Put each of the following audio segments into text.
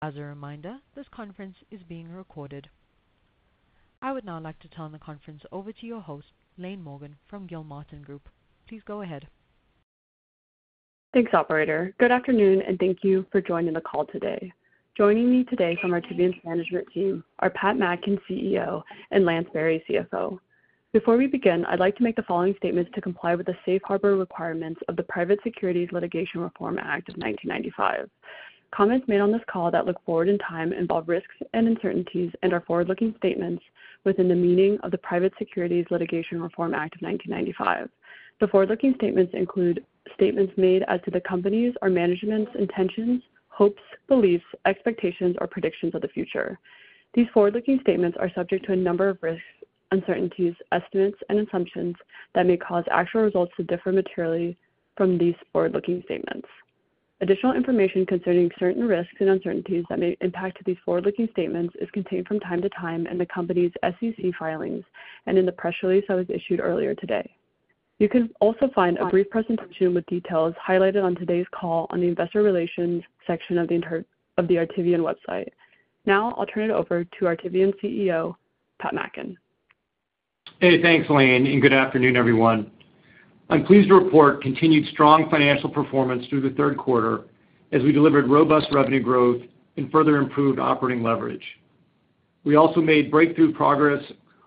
As a reminder, this conference is being recorded. I would now like to turn the conference over to your host, Laine Morgan from Gilmartin Group. Please go ahead. Thanks, operator. Good afternoon, and thank you for joining the call today. Joining me today from our top echelon management team are Pat Mackin, CEO, and Lance Berry, CFO. Before we begin, I'd like to make the following statements to comply with the safe harbor requirements of the Private Securities Litigation Reform Act of 1995. Comments made on this call that look forward in time, involve risks and uncertainties, and are forward-looking statements within the meaning of the Private Securities Litigation Reform Act of 1995. The forward-looking statements include statements made as to the company's or management's intentions, hopes, beliefs, expectations, or predictions of the future. These forward-looking statements are subject to a number of risks, uncertainties, estimates, and assumptions that may cause actual results to differ materially from these forward-looking statements. Additional information concerning certain risks and uncertainties that may impact these forward-looking statements is contained from time to time in the Company's SEC filings and in the press release that was issued earlier today. You can also find a brief presentation with details highlighted on today's call on the Investor Relations section of the Artivion website. Now I'll turn it over to Artivion CEO Pat Mackin. Hey thanks Lane and good afternoon everyone. I'm pleased to report continued strong financial performance through the Q3 as we delivered robust revenue growth and further improved operating leverage. We also made breakthrough progress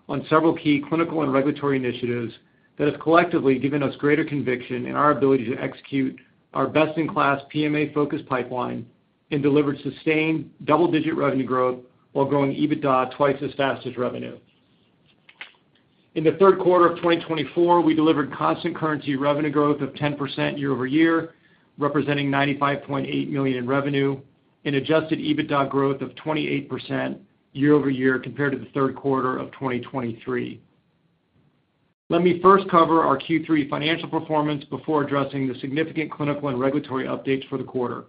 on several key clinical and regulatory initiatives that have collectively given us greater conviction in our ability to execute our best-in-class PMA-focused pipeline and deliver sustained double-digit revenue growth while growing EBITDA twice as fast as revenue. In the Q3 of 2024 we delivered constant currency revenue growth of 10% year over year representing $95.8 million in revenue and Adjusted EBITDA growth of 28% year over year compared to the Q3 of 2023. Let me first cover our Q3 financial performance before addressing the significant clinical and regulatory updates for the quarter.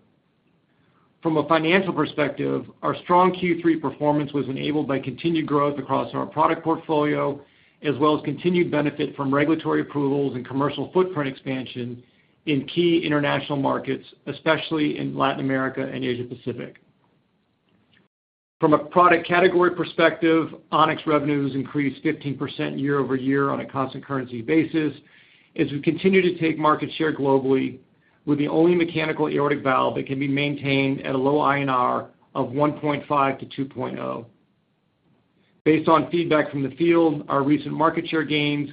From a financial perspective, our strong Q3 performance was enabled by continued growth across our product portfolio as well as continued benefit from regulatory approvals and commercial footprint expansion in key international markets, especially in Latin America and Asia Pacific. From a product category perspective, On-X revenues increased 15% year over year on a constant currency basis as we continue to take market share globally with the only mechanical aortic valve that can be maintained at a low INR of 1.5-2.0 based on feedback from the field, our recent market share gains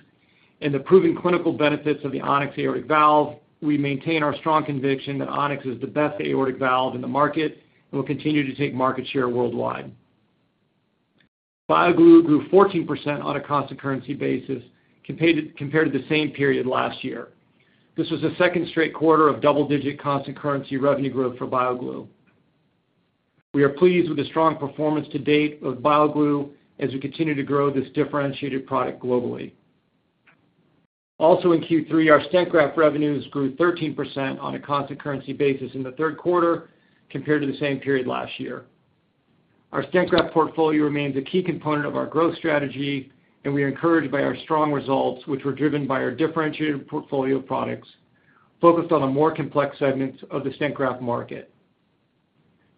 and the proven clinical benefits of the On-X aortic valve. We maintain our strong conviction that On-X is the best aortic valve in the market and will continue to take market share worldwide. BioGlue grew 14% on a constant currency basis compared to the same period last year. This was the second straight quarter of double-digit constant currency revenue growth for BioGlue. We are pleased with the strong performance to date with BioGlue as we continue to grow this differentiated product globally. Also in Q3, our stent graft revenues grew 13% on a constant currency basis in the Q3 compared to the same period last year. Our stent graft portfolio remains a key component of our growth strategy and we are encouraged by our strong results which were driven by our differentiated portfolio of products focused on the more complex segments of the stent graft market.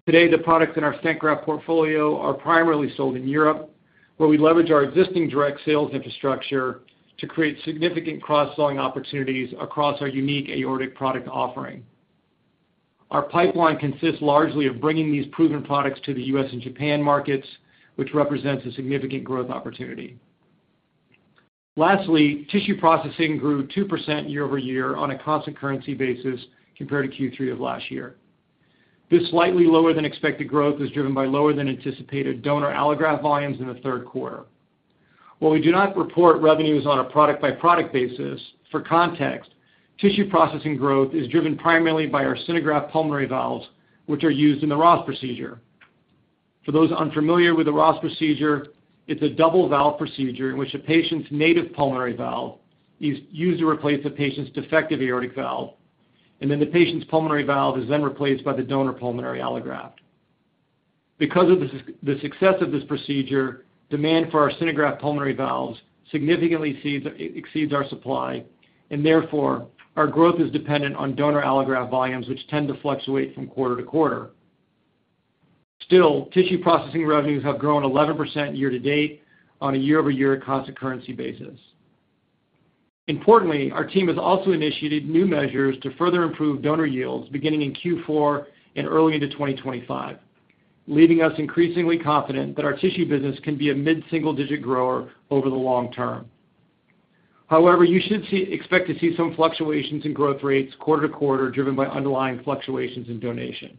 Today, the products in our stent graft portfolio are primarily sold in Europe where we leverage our existing direct sales infrastructure to create significant cross selling opportunities across our unique aortic product offering. Our pipeline consists largely of bringing these proven products to the U.S. and Japan markets which represents a significant growth opportunity. Lastly, tissue processing grew 2% year over year on a constant currency basis compared to Q3 of last year. This slightly lower than expected growth was driven by lower than anticipated donor allograft volumes in the Q3. While we do not report revenues on a product by product basis for context, tissue processing growth is driven primarily by our SynerGraft pulmonary valves which are used in the Ross procedure. For those unfamiliar with the Ross procedure, it's a double valve procedure in which a patient's native pulmonary valve is used to replace the patient's defective aortic valve and then the patient's pulmonary valve is then replaced by the donor pulmonary allograft. Because of the success of this procedure, demand for our SynerGraft pulmonary valves significantly exceeds our supply and therefore our growth is dependent on donor allograft volumes which tend to fluctuate from quarter to quarter. Still, tissue processing revenues have grown 11% year to date on a year over year constant currency basis. Importantly, our team has also initiated new measures to further improve donor yields beginning in Q4 and early into 2025, leaving us increasingly confident that our tissue business can be a mid single digit grower. Over the long term, however, you should expect to see some fluctuations in growth rates quarter to quarter driven by underlying fluctuations in donation.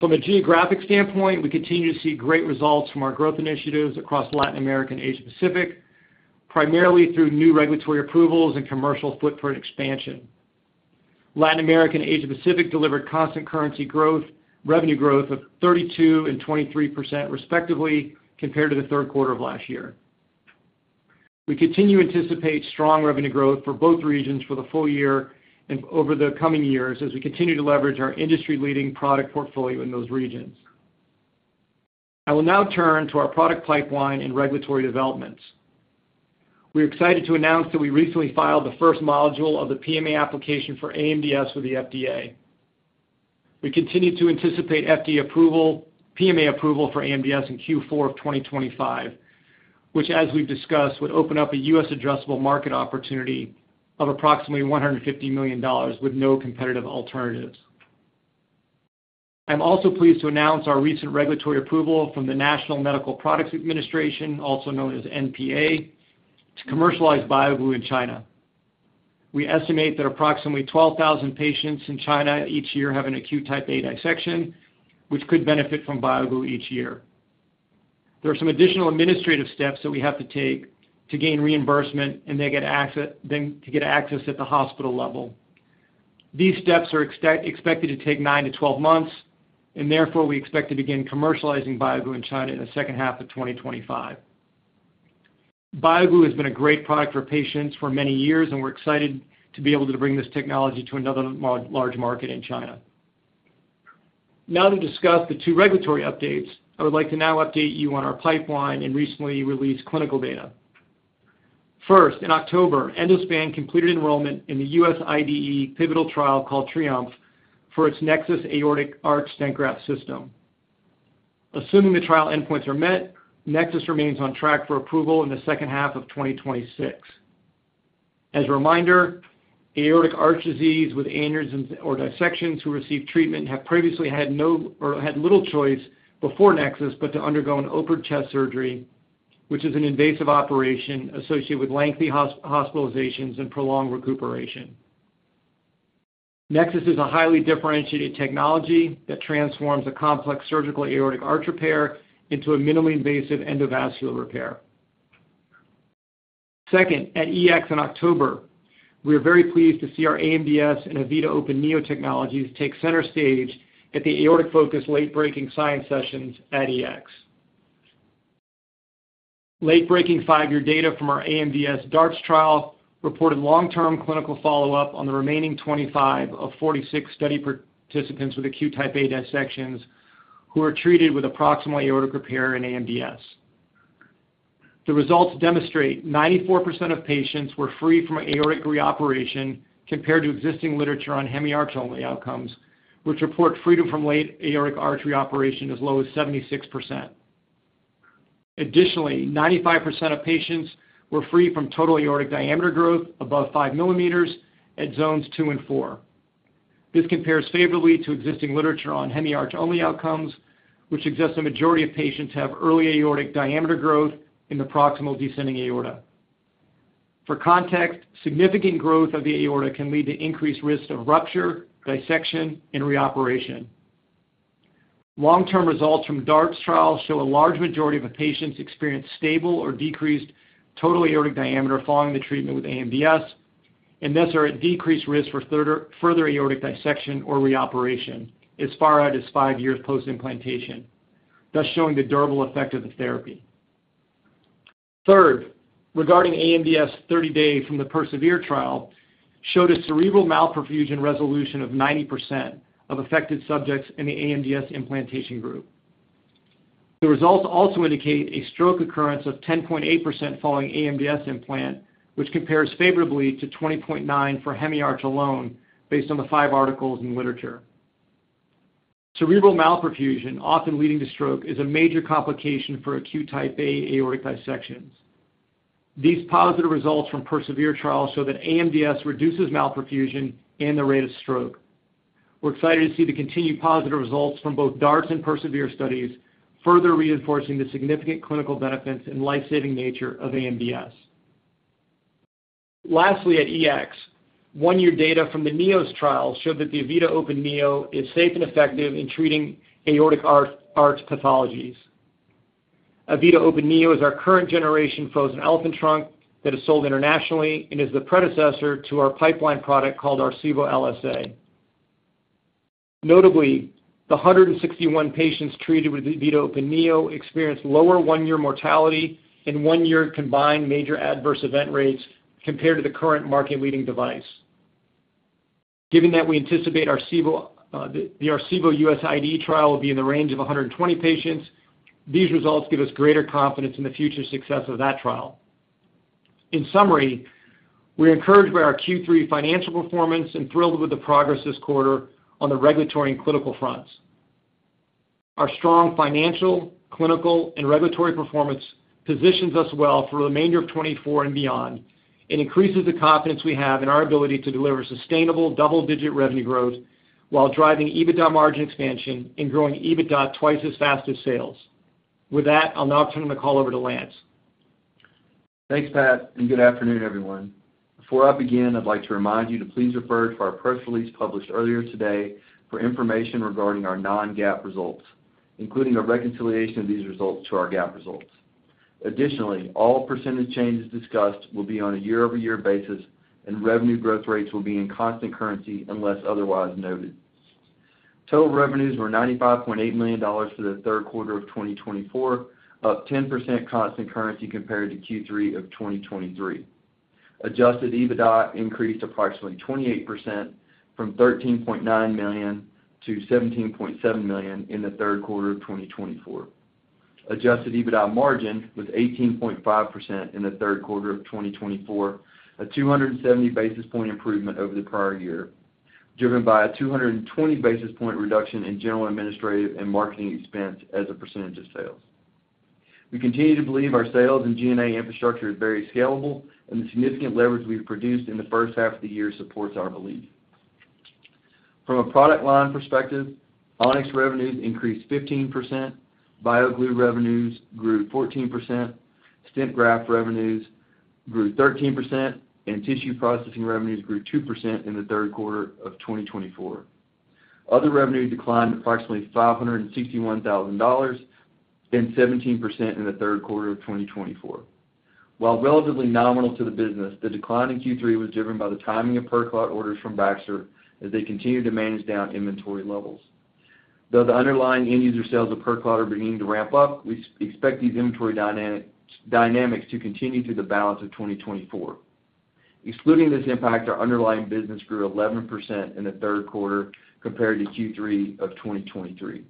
From a geographic standpoint, we continue to see great results from our growth initiatives across Latin America and Asia Pacific primarily through new regulatory approvals and commercial footprint expansion. Latin America and Asia Pacific delivered constant currency revenue growth of 32% and 23% respectively, compared to the Q3 of last year. We continue to anticipate strong revenue growth for both regions for the full year and over the coming years as we continue to leverage our industry leading product portfolio in those regions. I will now turn to our product pipeline and regulatory developments. We are excited to announce that we recently filed the first module of the PMA application for AMDS with the FDA. We continue to anticipate FDA PMA approval for AMDS in Q4 of 2025, which as we've discussed, would open up a U.S. addressable market opportunity of approximately $150 million with no competitive alternatives. I'm also pleased to announce our recent regulatory approval from the National Medical Products Administration, also known as NMPA, to commercialize BioGlue in China. We estimate that approximately 12,000 patients in China each year have an acute Type A dissection, which could benefit from BioGlue each year. There are some additional administrative steps that we have to take to gain reimbursement and to get access at the hospital level. These steps are expected to take nine to 12 months and therefore we expect to begin commercializing BioGlue in China in the second half of 2025. BioGlue has been a great product for patients for many years and we're excited to be able to bring this technology to another large market in China. Now to discuss the two regulatory updates, I would like to now update you on our pipeline and recently released clinical data. First, in October Endospan completed enrollment in the U.S. IDE pivotal trial called TRIOMPH for its NEXUS Aortic Arch Stent Graft system. Assuming the trial endpoints are met, NEXUS remains on track for approval in the second half of 2026. As a reminder, aortic arch disease with aneurysms or dissections who receive treatment have previously had little choice but before NEXUS but to undergo an open chest surgery which is an invasive operation associated with lengthy hospitalizations and prolonged recuperation. NEXUS is a highly differentiated technology that transforms a complex surgical aortic arch repair into a minimally invasive endovascular repair. Second, at EACTS in October we are very pleased to see our AMDS and E-vita Open NEO Technologies take center stage at the aortic focus. Late Breaking Science sessions at EACTS. Late. Breaking 5-year data from our AMDS DARTS trial reported long-term clinical follow-up on the remaining 25 of 46 study participants with acute Type A dissections who are treated with appropriate aortic repair and AMDS. The results demonstrate 94% of patients were free from aortic reoperation compared to existing literature on hemiarch only outcomes which report freedom from late aortic arch reoperation as low as 76%. Additionally, 95% of patients were free from aortic diameter growth above 5 mm at zones 2 and 4. This compares favorably to existing literature on hemiarch only outcomes which suggests the majority of patients have early aortic diameter growth in the proximal descending aorta. For context, significant growth of the aorta can lead to increased risk of rupture, dissection and reoperation. Long-term results from DARTS trial show a large majority of patients experience stable or decreased total aortic diameter following the treatment with AMDS and thus are at decreased risk for further aortic dissection or reoperation as far out as five years post implantation, thus showing the durable effect of the therapy. Third, regarding AMDS, 30-day from the PERSEVERE trial showed a cerebral malperfusion resolution of 90% of affected subjects in the AMDS implantation group. The results also indicate a stroke occurrence of 10.8% following AMDS implant which compares favorably to 20.9% for Hemiarch alone. Based on the five articles in literature, cerebral malperfusion often leading to stroke is a major complication for acute Type A aortic dissections. These positive results from PERSEVERE trial show that AMDS reduces malperfusion and the rate of stroke. We're excited to see the continued positive results from both DARTS and PERSEVERE studies further reinforcing the significant clinical benefits and life-saving nature of AMDS. Lastly, at EACTS, 1-year data from the NEOS trial showed that the E-vita Open NEO is safe and effective in treating aortic arch pathologies. E-vita Open NEO is our current generation frozen elephant trunk that is sold internationally and is the predecessor to our pipeline product called Arecibo LSA. Notably, the 161 patients treated with E-vita Open NEO experienced lower 1-year mortality and 1-year combined major adverse event rates compared to the current market-leading device. Given that we anticipate the Arecibo U.S. IDE trial will be in the range of 120 patients, these results give us greater confidence in the future success of that trial. In summary, we're encouraged by our Q3 financial performance and thrilled with the progress this quarter on the regulatory and clinical fronts. Our strong financial, clinical and regulatory performance positions us well for the remainder of 24 and beyond. It increases the confidence we have in our ability to deliver sustainable double digit revenue growth while driving EBITDA margin expansion and growing EBITDA twice as fast as sales. With that, I'll now turn the call over to Lance. Thanks Pat and good afternoon everyone. Before I begin, I'd like to remind you to please refer to our press release published earlier today for information regarding our non-GAAP results, including a reconciliation of these results to our GAAP results. Additionally, all percentage changes discussed will be on a year over year basis and revenue growth rates will be in constant currency unless otherwise noted. Total revenues were $95.8 million for the Q3 of 2024, up 10% constant currency compared to Q3 of 2023. Adjusted EBITDA increased approximately 28% from $13.9 million to $17.7 million in the Q3 of 2024. Adjusted EBITDA margin was 18.5% in the Q3 of 2024, a 270 basis point improvement over the prior year driven by a 220 basis point reduction in general administrative and marketing expense as a percentage of sales. We continue to believe our sales and G and A infrastructure is very scalable and the significant leverage we produced in the first half of the year supports our belief. From a product line perspective, On-X revenues increased 15%, BioGlue revenues grew 14%, Stent Graft revenues grew 13% and Tissue Processing revenues grew 2% in the Q3 of 2024. Other revenue declined approximately $561,000 and 17% in the Q3 of 2024. While relatively nominal to the business, the decline in Q3 was driven by the timing of PerClot orders from Baxter as they continue to manage down inventory levels. Though the underlying end user sales of PerClot are beginning to ramp up. We expect these inventory dynamics to continue through the balance of 2024. Excluding this impact, our underlying business grew 11% in the Q3 compared to Q3 of 2023.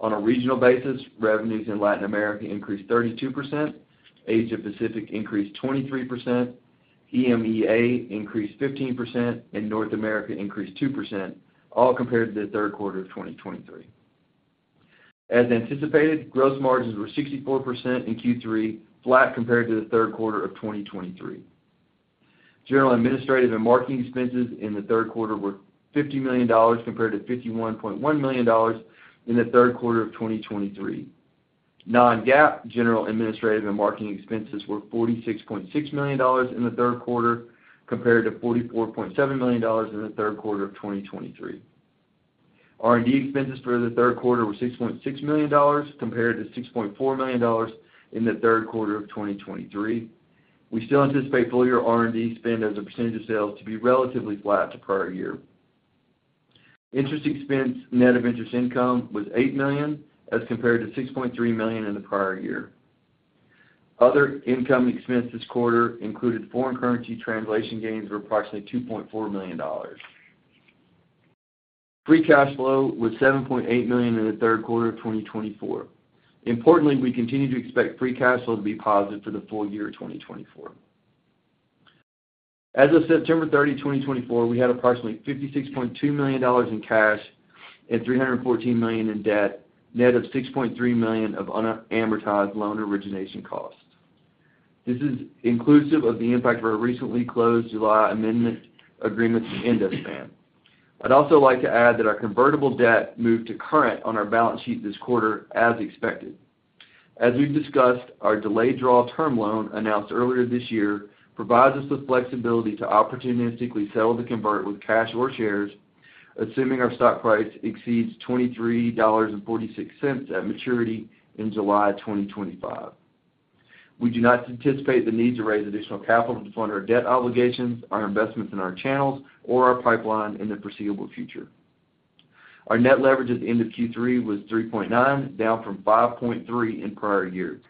On a regional basis, revenues in Latin America increased 32%, Asia Pacific increased 23%, EMEA increased 15% and North America increased 2%, all compared to the Q3 of 2023. As anticipated, gross margins were 64% in Q3 flat compared to the Q3 of 2023. General administrative and marketing expenses in the Q3 were $50 million compared to $51.1 million in the Q3 of 2023. Non-GAAP general administrative and marketing expenses were $46.6 million in the Q3 compared to $44.7 million in the Q3 of 2023. R&D expenses for the Q3 were $6.6 million compared to $6.4 million in the Q3 of 2023. We still anticipate full year R&D spend as a percentage of sales to be relatively flat to prior year. Interest expense. Net of interest income was $8 million as compared to $6.3 million in the prior year. Other income expense this quarter included foreign currency translation gains were approximately $2.4 million. Free cash flow was $7.8 million in the Q3 of 2024. Importantly, we continue to expect free cash flow to be positive for the full year 2024. As of September 30, 2024, we had approximately $56.2 million in cash and $314 million in debt net of $6.3 million of unamortized loan origination costs. This is inclusive of the impact of our recently closed July amendment agreement with Endospan. I'd also like to add that our convertible debt moved to current on our balance sheet this quarter as expected. As we've discussed, our delayed draw term loan announced earlier this year provides us the flexibility to opportunistically settle the convert with cash or shares. Assuming our stock price exceeds $23.46 at maturity in July 2025. We do not anticipate the need to raise additional capital to fund our debt obligations, our investments in our channels or our pipeline in the foreseeable future. Our net leverage at the end of Q3 was 3.9, down from 5.3 in prior years.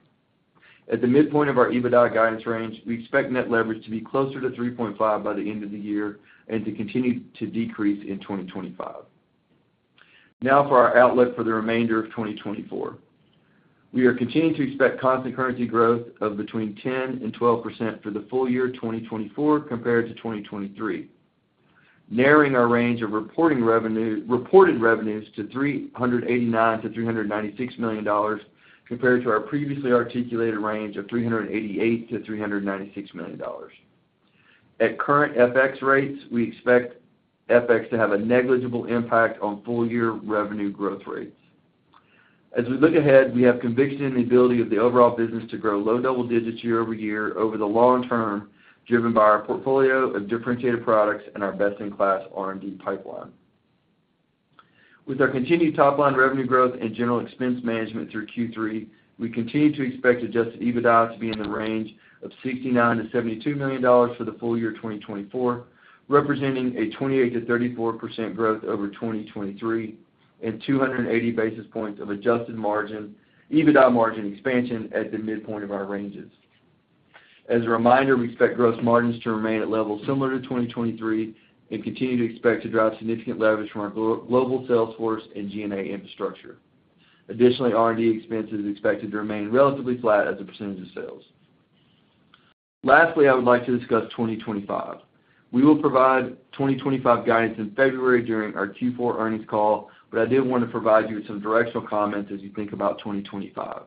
At the midpoint of our EBITDA guidance range, we expect net leverage to be closer to 3.5 by the end of the year and to continue to decrease in 2025. Now for our outlook for the remainder of 2024. We are continuing to expect constant currency growth of between 10%-12% for the full year 2024 compared to 2023, narrowing our range of reported revenues to $389-$396 million compared to our previously articulated range of $388-$396 million at current FX rates. We expect FX to have a negligible impact on full year revenue growth rates as we look ahead. We have conviction in the ability of the overall business to grow low double digits year over year over the long term, driven by our portfolio of differentiated products and our best in class R&D pipeline. With our continued top line revenue growth and general expense management through Q3, we continue to expect Adjusted EBITDA to be in the range of $69-$72 million for the full year 2024, representing a 28%-34% growth over 2023 and 280 basis points of adjusted EBITDA margin expansion at the midpoint of our ranges. As a reminder, we expect gross margins to remain at levels similar to 2023 and continue to expect to drive significant leverage from our global sales force and G&A infrastructure. Additionally, R&D expense is expected to remain relatively flat as a percentage of sales. Lastly, I would like to discuss 2025. We will provide 2025 guidance in February during our Q4 earnings call, but I did want to provide you with some directional comments as you think about 2025.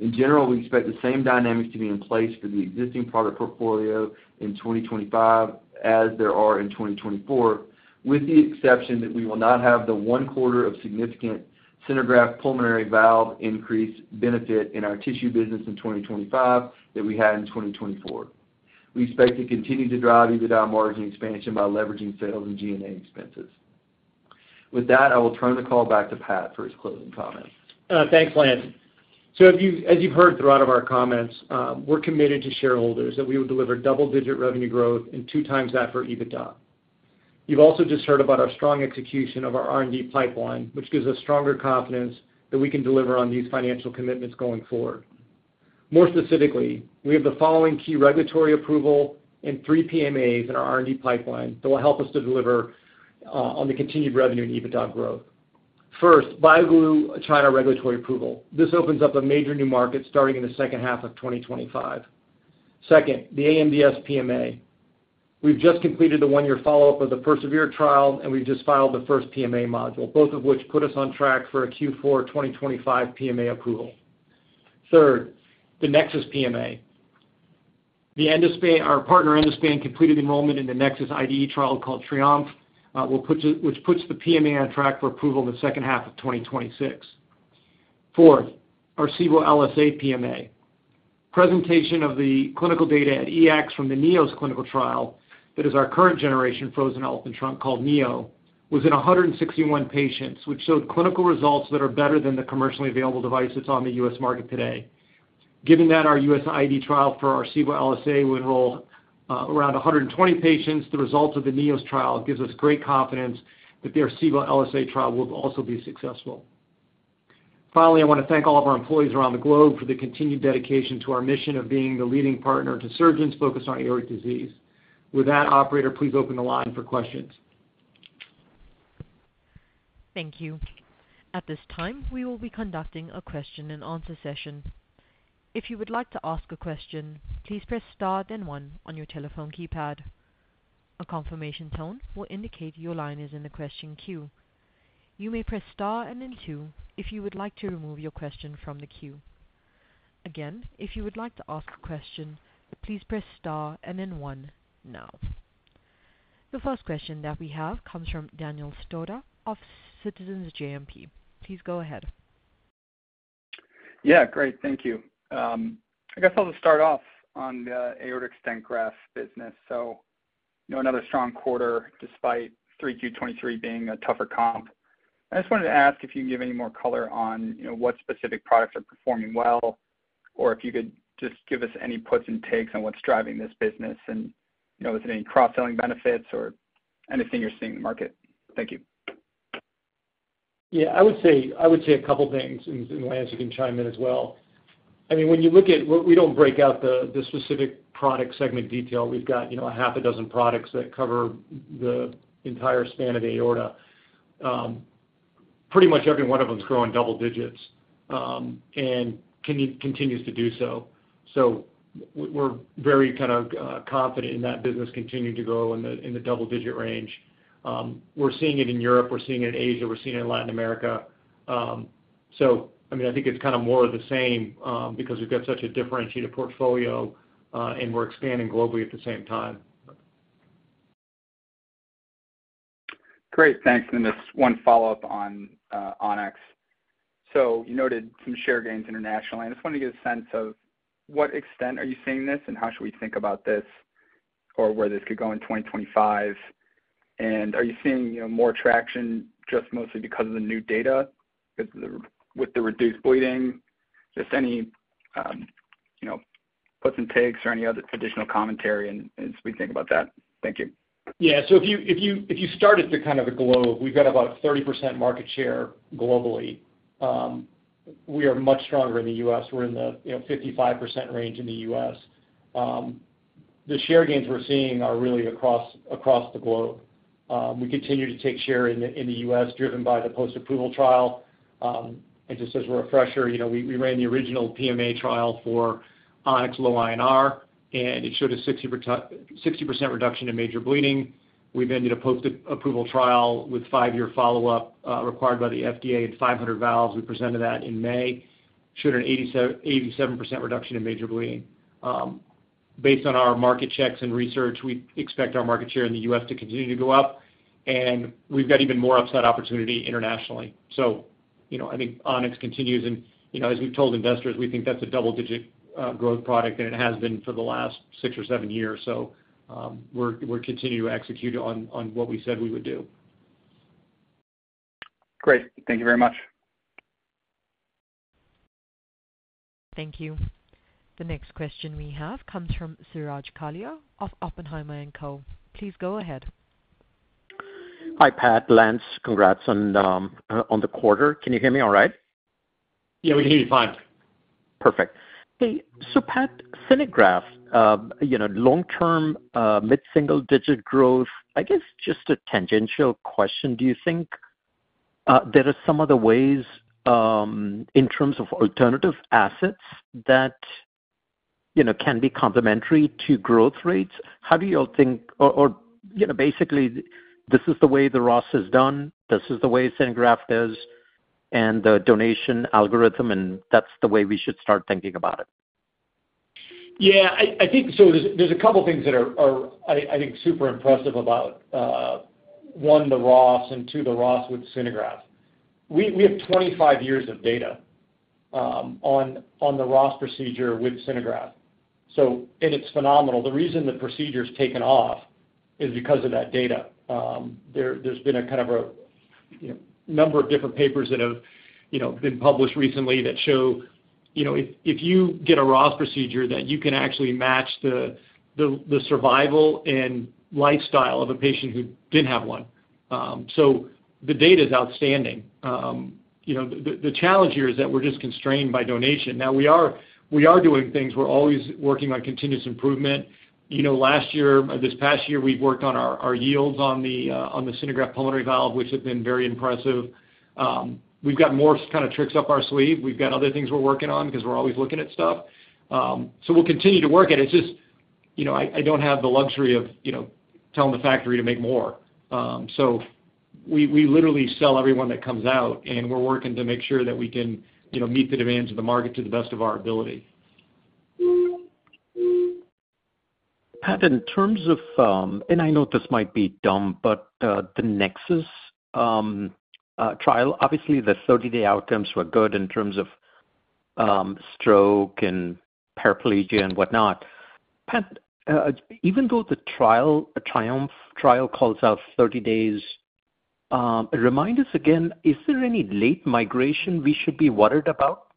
In general, we expect the same dynamics to be in place for the existing product portfolio in 2025 as there are in 2024. With the exception that we will not have the 1/4 of significant SynerGraft pulmonary valve increase benefit in our tissue business in 2025, and that we had in 2024. We expect to continue to drive EBITDA margin expansion by leveraging sales and G&A expenses. With that, I will turn the call back to Pat for his closing comments. Thanks, Lance. So, as you've heard throughout our comments, we're committed to shareholders that we will deliver double-digit revenue growth and two times that for EBITDA. You've also just heard about our strong execution of our R and D pipeline which gives us stronger confidence that we can deliver on these financial commitments going forward. More specifically, we have the following key regulatory approval and three PMAs in our R and D pipeline that will help us to deliver on the continued revenue and EBITDA growth. First, BioGlue China regulatory approval. This opens up a major new market starting in the second half of 2025. Second, the AMDS PMA. We've just completed the one year follow up of the PERSEVERE trial and we just filed the first PMA module, both of which put us on track for a Q4 2025 PMA approval. Third, the NEXUS PMA. Our partner Endospan completed enrollment in the NEXUS IDE trial called TRIOMPH, which puts the PMA on track for approval in the second half of 2026. Fourth, our SIBO LSA PMA presentation of the clinical data at EACTS from the NEOS clinical trial, that is our current generation frozen elephant trunk called NEO, was in 161 patients which showed clinical results that are better than the commercially available device that's on the U.S. market today. Given that our U.S. IDE trial for our Arecibo LSA will enroll around 120 patients, the results of the NEOS trial gives us great confidence the Arecibo LSA trial will also be successful. Finally, I want to thank all of our employees around the globe for the continued dedication to our mission of being the leading partner to surgeons focused on aortic disease. With that, operator, please open the line for questions. Thank you. At this time we will be conducting a question and answer session. If you would like to ask a question, please press star then 1 on your telephone keypad. A confirmation tone will indicate your line is in the question queue. You may press star and then two if you would like to remove your question from the queue. Again, if you would like to ask a question, please press star and then one. Now the first question that we have comes from Daniel Stauder of Citizens JMP. Please go ahead. Yeah, great, thank you. I guess I'll just start off on the aortic stent graft business. So another strong quarter despite 3Q23 being a tougher comp. I just wanted to ask if you can give any more color on what specific products are performing well or if you could just give us any puts and takes on what's driving this business and is there any cross selling benefits or anything you're seeing in the market? Thank you. Yes, I would say a couple things, and Lance, you can chime in as well. I mean when you look at, we don't break out the specific product segment detail. We've got a half a dozen products that cover the entire span of aorta. Pretty much every one of them is growing double digits and continues to do so. So we're very kind of confident in that business continuing to grow in the double digit range. We're seeing it in Europe, we're seeing it in Asia, we're seeing it in Latin America. So I mean, I think it's kind of more of the same because we've got such a differentiated portfolio and we're expanding globally at the same time. Great, thanks. And just one follow-up on On-X. So you noted some share gains internationally. I just wanted to get a sense of what extent are you seeing this and how should we think about this or where this could go in 2025 and are you seeing more traction just mostly because of the new data with the reduced bleeding? Just any puts and takes or any other additional commentary as we think about that. Thank you. Yeah, so if you start at the kind of the globe, we've got about 30% market share globally. We are much stronger in the U.S. We're in the 55% range in the U.S. The share gains we're seeing are really across the globe. We continue to take share in the U.S. driven by the post-approval trial. And just as a refresher, we ran the original PMA trial for On-X low INR and it showed a 60% reduction in major bleeding. We've ended a post-approval trial with five-year follow-up required by the FDA and 500 valves. We presented that in May showed an 87% reduction in major bleeding. Based on our market checks and research, we expect our market share in the U.S. to continue to go up and we've got even more upside opportunity internationally. So I think On-X continues, and as we've told investors, we think that's a double-digit growth product and it has been for the last six or seven years. So we're continuing to execute on what we said we would do. Great.Thank you very much. Thank you. The next question we have comes from Suraj Kalia of Oppenheimer & Co. Please go ahead. Hi Pat, Lance. Congrats on the quarter. Can you hear me all right? Yeah, we can hear you fine. Perfect. So, Pat, SynerGraft long-term mid-single-digit growth. I guess just a tangential question. Do you think there are some other ways in terms of alternative assets that can be complementary to growth rates? How do you all think? Or basically this is the way the Ross is done, this is the way SynerGraft does and the donation algorithm and that's the way we should start thinking about it. Yeah, I think so. There's a couple things that are, I think super impressive about one, the Ross and two, the Ross with SynerGraft. We have 25 years of data on the Ross procedure with SynerGraft. So and it's phenomenal. The reason the procedure's taken off is because of that data. There's been a kind of a number of different papers that have been published recently that show if you get a Ross procedure that you can actually match the, the survival and lifestyle of a patient who didn't have one. So the data is outstanding. You know, the challenge here is that we're just constrained by donation now. We are doing things, we're always working on continuous improvement. You know, last year, this past year we've worked on our yields on the, on the SynerGraft pulmonary valve which have been very impressive. We've got more kind of tricks up our sleeve. We've got other things we're working on because we're always looking at stuff. So we'll continue to work at it. It's just I don't have the luxury of telling the factory to make more. So we literally sell everyone that comes out and we're working to make sure that we can meet the demands of the market to the best of our ability. Pat, in terms of, and I know this might be dumb, but the NEXUS trial, obviously the 30-day outcomes were good in terms of stroke and paraplegia and whatnot. Pat, even though the TRIOMPH trial calls out 30 days, remind us again, is there any late migration we should be worried about?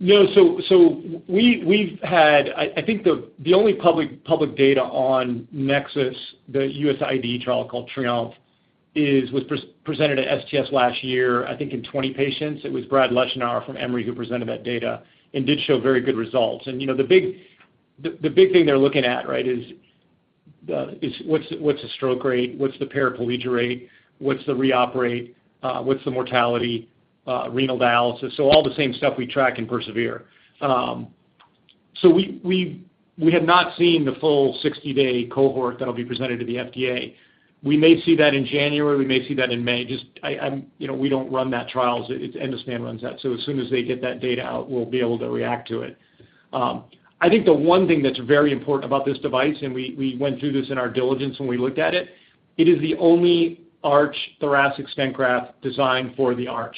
No. So we've had, I think, the only public data on NEXUS, the U.S. IDE trial called TRIOMPH, was presented at STS last year, I think in 20 patients. It was Brad Leshnower from Emory who presented that data and did show very good results. And you know, the big thing they're looking at right now is what's the stroke rate, what's the paraplegia rate, what's the REOP rate, what's the mortality? Renal dialysis. So all the same stuff we track and PERSEVERE. So we have not seen the full 60-day cohort that will be presented to the FDA. We may see that in January, we may see that in May. We don't run that trial. Endospan runs that. So as soon as they get that data out, we'll be able to react to it. I think the one thing that's very important about this device, and we went through this in our diligence when we looked at it, it is the only arch thoracic stent graft designed for the arch.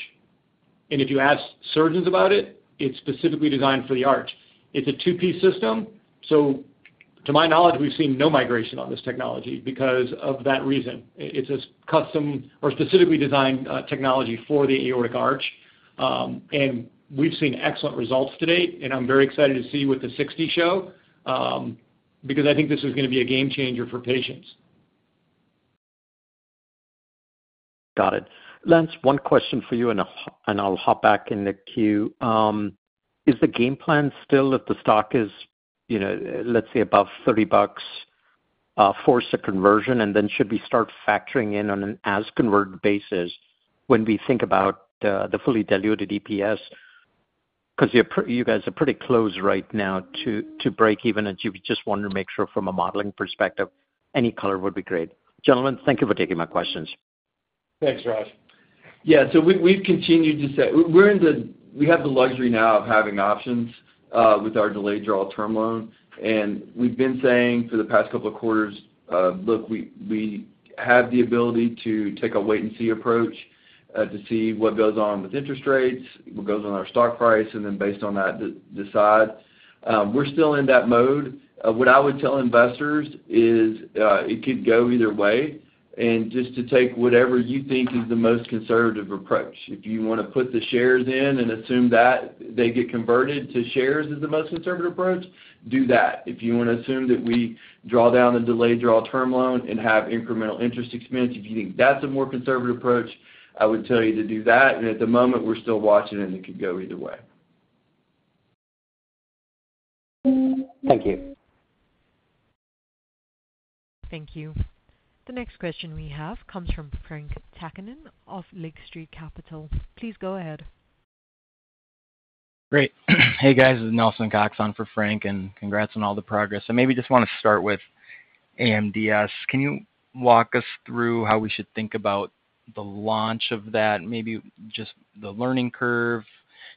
And if you ask surgeons about it, it's specifically designed for the arch. It's a two-piece system. So to my knowledge, we've seen no migration on this technology because of that reason. It's a custom or specifically designed technology for the aortic arch and we've seen excellent results to date. And I'm very excited to see what the 60 show because I think this is going to be a game changer for patients. Got it. Lance, one question for you and I'll hop back in the queue. Is the game plan still, if the stock is, let's say, above $30, force a conversion and then should we start factoring in on an as converted basis when we think about the fully diluted EPS? Because you guys are pretty close right now to break even and you just want to make sure from a modeling perspective, any color would be great. Gentlemen, thank you for taking my questions. Thanks, Raj. Yeah, so we've continued to say we're in the, we have the luxury now of having options with our delayed draw term loan. And we've been saying for the past couple of quarters, look, we have the ability to take a wait and see approach to see what goes on with interest rates, what goes on our stock price and then based on that, decide we're still in that mode. What I would tell investors is it could go either way. And just to take whatever you think is the most conservative approach, if you want to put the shares in and assume that they get converted to shares. Is the most conservative approach. Do that. If you want to assume that we draw down the delayed draw term loan and have incremental interest expense, if you think that's a more conservative approach, I would tell you to do that, and at the moment we're still watching and it could go either way. Thank you. Thank you. The next question we have comes from Frank Takkinen of Lake Street Capital. Please go ahead. Great. Hey guys, Nelson Coxon for Frank and congrats on all the progress and maybe just want to start with AMDS. Can you walk us through how we should think about the launch of that? Maybe just the learning curve.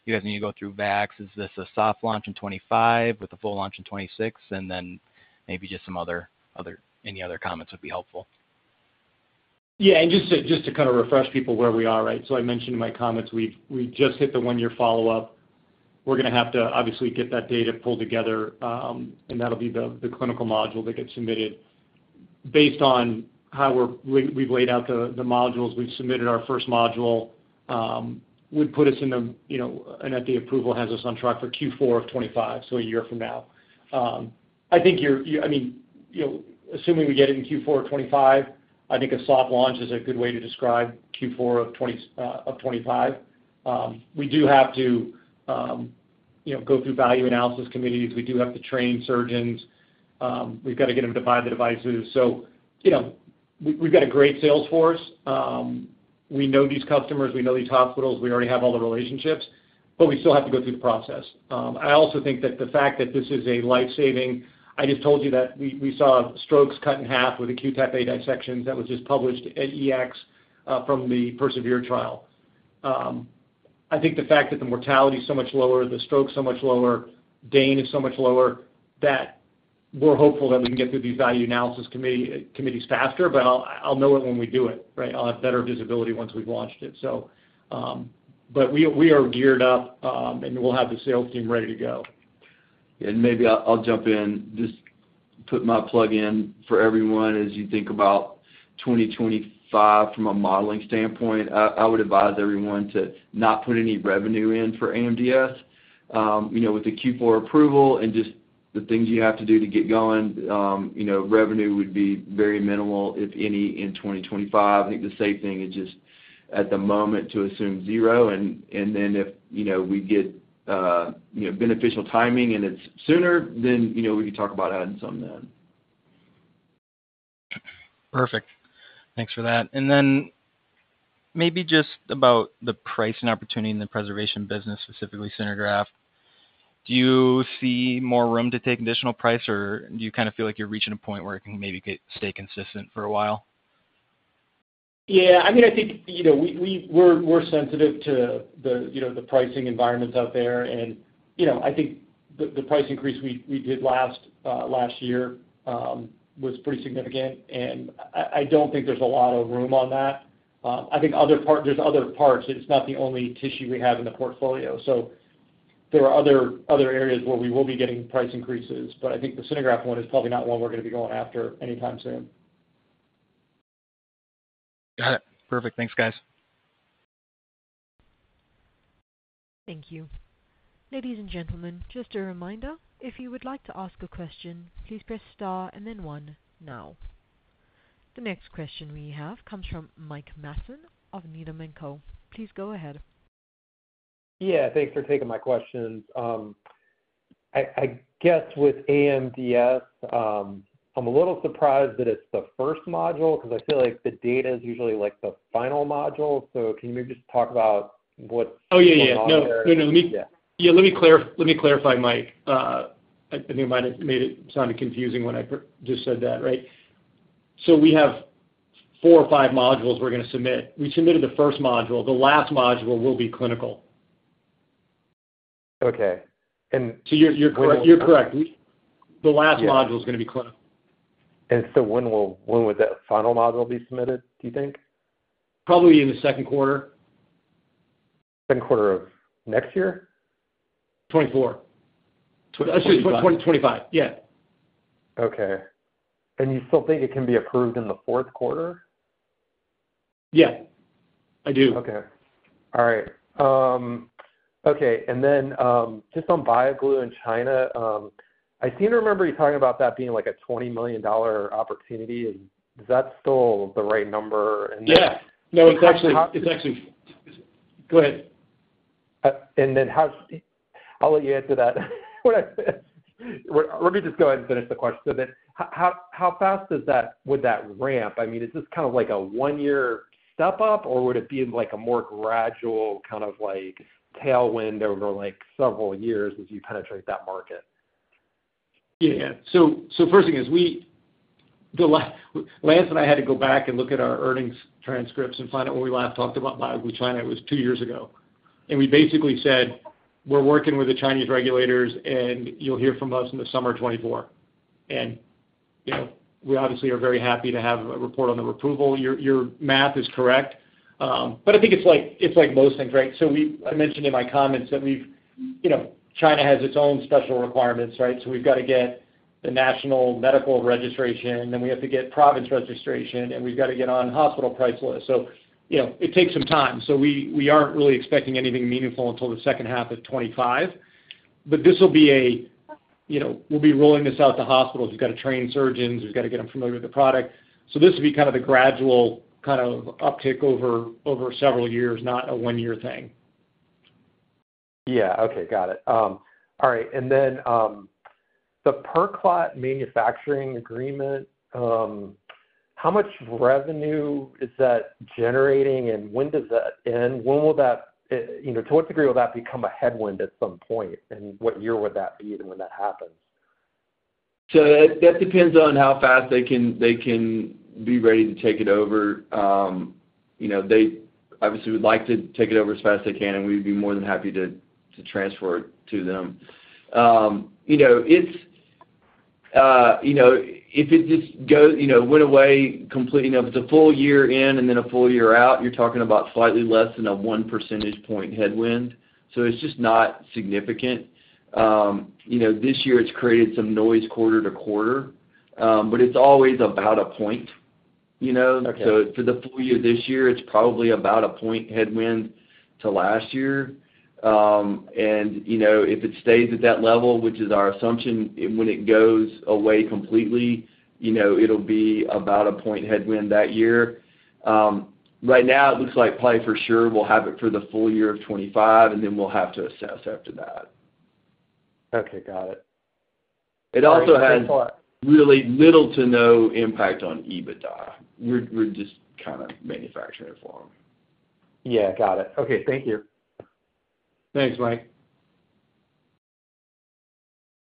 You guys need to go through Vax. Is this a soft launch in 2025 with a full launch in 2026 and then maybe just some other. Any other comments would be helpful. Yeah. Just to kind of refresh people where we are. Right. So I mentioned in my comments we just hit the one-year follow-up. We are going to have to obviously get that data pulled together and that will be the clinical module that gets submitted. Based on how we have laid out the modules we have submitted, our first module would put us in the, you know, an FDA approval has us on track for Q4 of 2025. So a year from now, I think you are, I mean assuming we get it in Q4 of 2025, I think a soft launch is a good way to describe Q4 of 2025. We do have to go through value analysis committees, we do have to train surgeons, we've got to get them to buy the devices, so we've got a great sales force. We know these customers, we know these hospitals. We already have all the relationships but we still have to go through the process. I also think that the fact that this is a life-saving. I just told you that we saw strokes cut in half with acute A dissection that was just published at EACTS from the PERSEVERE trial. I think the fact that the mortality is so much lower, the stroke is so much lower, pain is so much lower that we're hopeful that we can get through these value analysis committees faster, but I'll know it when we do it. I'll have better visibility once we've launched it, so. But we are geared up and we'll have the sales team ready to go. And maybe I'll jump in, just put my plug in for everyone. As you think about 2025, from a modeling standpoint, I would advise everyone to not put any revenue in for AMDS with the Q4 approval. And just the things you have to do to get going, revenue would be very minimal, if any, in 2025. I think the same thing is just at the moment to assume zero. And then if we get beneficial timing and it's sooner, then we can talk about adding some then. Perfect. Thanks for that. Maybe just about the pricing. Opportunity in the preservation business, specifically SynerGraft, do you see more room to take Additional price or do you kind of? Feel like you're reaching a point where. You can maybe stay consistent for a while? Yes, I mean, I think we're sensitive to the pricing environments out there and I think the price increase we did last year was pretty significant. And I don't think there's a lot of room on that. I think there's other parts. It's not the only tissue we have in the portfolio. So there are other areas where we will be getting price increases. But I think the SynerGraft one is probably not one we're going to be going after anytime soon. Got it. Perfect. Thanks, guys. Thank you. Ladies and gentlemen, just a reminder, if you would like to ask a question, please press star and then one. Now, the next question we have comes from Mike Matson of Needham & Company. Please go ahead. Yeah, thanks for taking my questions. I guess with AMDS, I'm a little. Surprised that it's the first module because I feel like the data is usually like the final module. So, can you maybe just talk about what? Oh, yeah, yeah. No, no, let me clarify, Mike. I think it might have made it sound confusing when I just said that. Right. So we have four or five modules we're going to submit. We submitted the first module. The last module will be clinical. Okay, so you're correct. The last module is going to be closed. And so when would that. Final module be submitted, do you think? Probably in the Q2, Q2 of next year? 2024, 2025. Yeah. Okay. You still think it can be approved in the Q4? Yeah, I do. Okay. All right. Okay. And then just on BioGlue in China. I seem to remember you talking about that being like a $20 million opportunity. Is that still the right number? Yeah, no, it's actually. Go ahead and then how. I'll let you answer that. Let me just go ahead and finish the question. So that, how fast does that, would that ramp? I mean, is this kind of like a one year step up or would it be like a more gradual kind. Of like tailwind over several years as you penetrate that market? Yeah. So first thing is we, Lance and I, had to go back and look at our earnings transcripts and find out what we last talked about. BioGlue China, it was two years ago and we basically said we're working with the Chinese regulators and you'll hear from us in the summer 2024. And you know, we obviously are very happy to report on the approval. Your math is correct, but I think it's like most things. Right. So we mentioned in my comments that we've, you know, China has its own special requirements, right. So we've got to get the national medical registration, then we have to get province registration and we've got to get on hospital price list. So, you know, it takes some time. So we aren't really expecting anything meaningful until 2H25. But this will be, you know, we'll be rolling this out to hospitals, we've got to train surgeons, we've got to get them familiar with the product. So this will be kind of the gradual kind of uptick over several years, not a one-year thing. Yeah, okay, got it. All right. And then the PerClot manufacturing agreement. How much revenue is that generating and when does that end? When will that, to what degree will? That becomes a headwind at some point. What year would that be when that happens? So that depends on how fast they can be ready to take it over. They obviously would like to take it over as fast as they can and we'd be more than happy to transfer it to them. If it just went away completing. If it's a full year in and. Then, a full year out, you're talking about three, slightly less than a one percentage point headwind. So it's just not significant this year. It's created some noise quarter to quarter, but it's always about a point. So for the full year this year it's probably about a point headwind to last year. And if it stays at that level, which is our assumption when it goes away completely, it'll be about a point headwind that year. Right now it looks like probably for sure we'll have it for the full year of 2025, and then we'll have to assess after that. Okay, got also has really little to. No impact on EBITDA. We're just kind of manufacturing it for them. Yeah, got it. Okay, thank you. Thanks, Mike.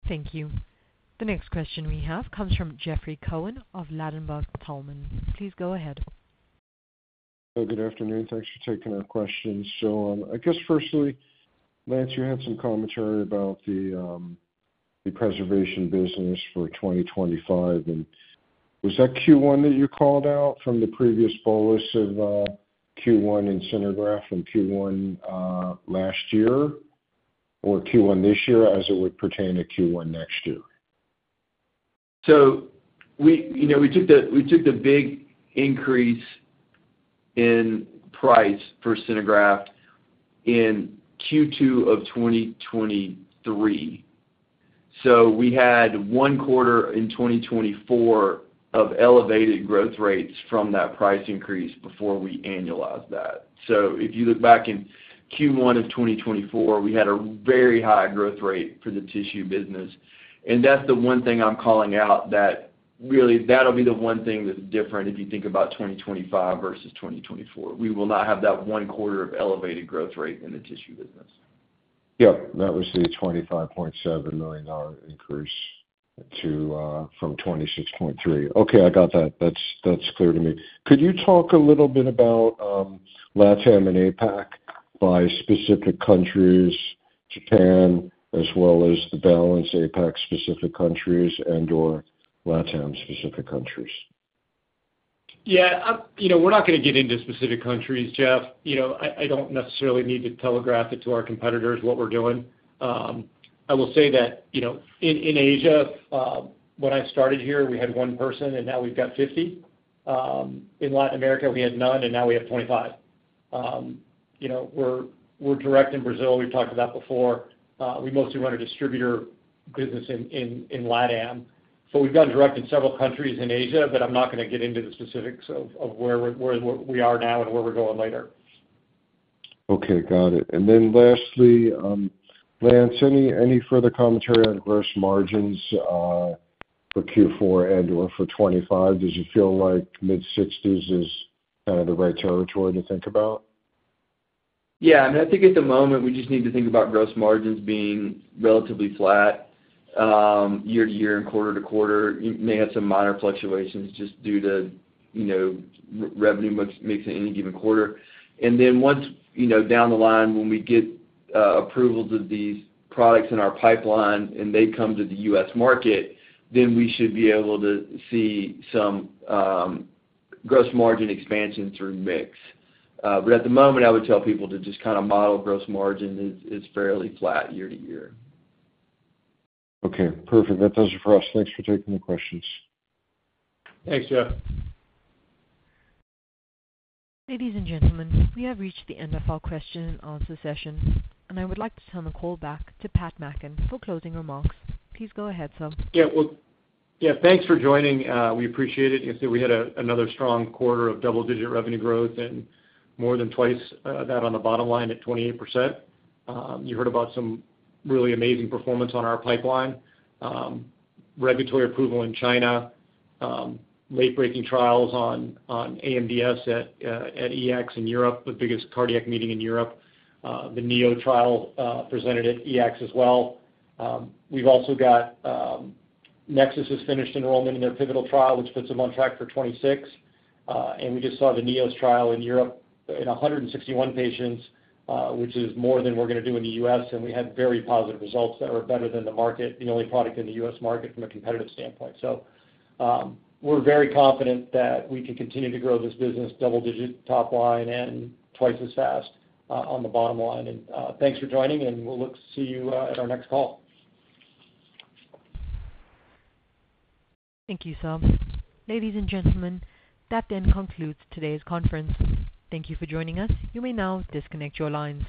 Thank you. The next question we have comes from Jeffrey Cohen of Ladenburg Thalmann. Cohen, please go ahead. Good afternoon. Thanks for taking our questions. So I guess firstly, Lance, you had some commentary about the preservation business for 2025, and was that Q1 that you called out from the previous bolus of Q1 and SynerGraft and Q1 last year or Q1 this year as it would pertain to Q1 next year? So we took the big increase in price for SynerGraft in Q2 of 2023. So we had one quarter in 2024 of elevated growth rates from that price increase before we annualized that. So if you look back in Q1 of 2024, we had a very high growth rate for the tissue business. And that's the one thing I'm calling out. That really will be the one thing that's different. If you think about 2025 versus 2024, we will not have that one quarter of elevated growth rate in the tissue business. Yep, that was the $25.7 million increase from $26.3 million. Okay, I got that. That's clear to me. Could you talk a little bit about LATAM and APAC by specific countries, Japan as well as the balance. APAC specific countries and. Or LATAM specific countries. Yeah, you know, we're not going to get into specific countries, Jeff. You know, I don't necessarily need to telegraph it to our competitors what we're doing. I will say that, you know, in Asia, when I started here, we had one person and now we've got 50. In Latin America we had none, and now we have 25. We're direct in Brazil. We've talked about before. We mostly run a distributor business in Latam. So we've gone direct in several countries in Asia, but I'm not going to get into the specifics of where we are now and where we're going later. Okay, got it. And then lastly, Lance, any further commentary on gross margins for Q4 and or for 25? Does it feel like mid-60s is kind of the right territory to think about? Yeah, I think at the moment we. Just need to think about gross margins being relatively flat year to year and quarter to quarter. You may have some minor fluctuations just due to revenue mix in any given quarter. And then once down the line when we get approvals of these products in our pipeline and they come to the U.S. market, then we should be able to see some gross margin expansion through mix. But at the moment I would tell people to just kind of model gross margin is fairly flat year to year. Okay, perfect. That does it for us. Thanks for taking the questions. Thanks, Jeff. Ladies and gentlemen, we have reached the end of our question and answer session and I would like to turn the call back to Pat Mackin for closing remarks. Please go ahead. So. Yeah, well, yeah, thanks for joining. We appreciate it. We had another strong quarter of double digit revenue growth and more than twice that on the bottom line at 28%. You heard about some really amazing performance on our pipeline. Regulatory approval in China, late breaking trials on AMDS at EACTS in Europe, the biggest cardiac meeting in Europe, the NEO trial presented at EACTS as well. We've also got NEXUS has finished enrollment in their pivotal trial which puts them on track for 2026. And we just saw the NEOS trial in Europe in 161 patients, which is more than we're going to do in the US and we had very positive results that were better than the market, the only product in the US market from a competitive standpoint. So we're very confident that we can continue to grow this business double-digit top line and twice as fast on the bottom line. And thanks for joining and we'll look to see you at our next call. Thank you, ladies and gentlemen. That concludes today's conference. Thank you for joining us. You may now disconnect your lines.